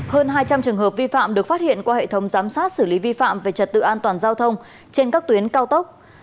hơn hai trăm linh trường hợp vi phạm được phát hiện qua hệ thống giám sát xử lý vi phạm về trật tự an toàn giao thông trên các tuyến cao tốc